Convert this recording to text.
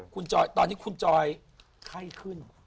คุณจอยตอนนี้คุณจอยไข้ขึ้น